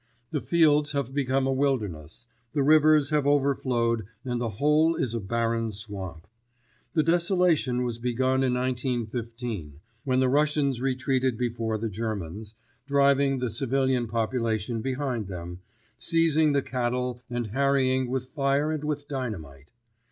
The fields have become a wilderness, the rivers have overflowed and the whole is a barren swamp. The desolation was begun in 1915 when the Russians retreated before the Germans, driving the civilian population behind them, seizing the cattle and harrying with fire and with dynamite.